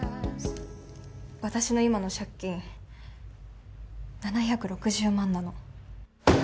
私の今の借金７６０万なの。